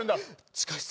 地下室？